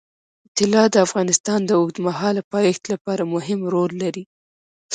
طلا د افغانستان د اوږدمهاله پایښت لپاره مهم رول لري.